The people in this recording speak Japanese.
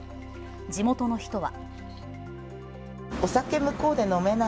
地元の人は。